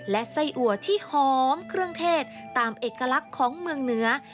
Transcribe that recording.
และไส้อัวที่หอมเครื่องเทศตามเอกลักษณ์ของเมืองเหนือ